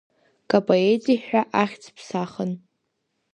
Капоети ҳәа ахьӡ ԥсахын…